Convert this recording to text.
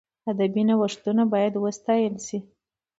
ادبي نوښتونه باید وستایل سي.